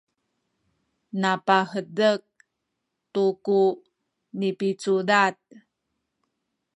mapahezek tu ku nipicudad